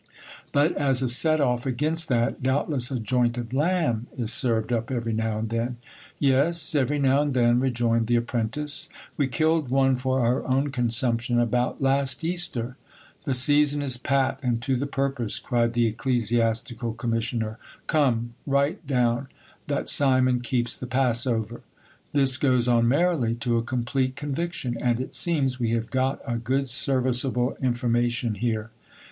But as a set off against that, doubtless a joint of lamb is served up every now and then ? Yes, every now and then, rejoined the apprentice ; we killed one for our own consumption about last Easter. The season is pat and to the purpose, cried the ecclesiastical commissioner. Come, write down, that Simon keeps the passover. This goes on merrily to a complete conviction ; and it seems, we have got a good service able information here.